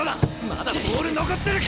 まだボール残ってる！